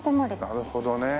なるほどね。